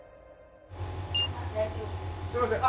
すいません。